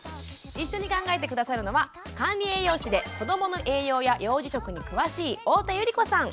一緒に考えて下さるのは管理栄養士で子どもの栄養や幼児食に詳しい太田百合子さん。